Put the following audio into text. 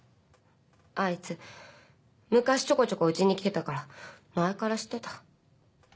あいつ昔ちょこちょこうちに来てたから前から知ってた。